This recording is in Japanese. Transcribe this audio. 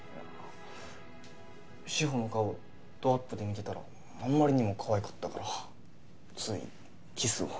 志法の顔ドアップで見てたらあんまりにもかわいかったからついキスを。